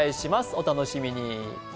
お楽しみに。